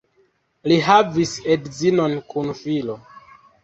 Li havis edzinon kun filo.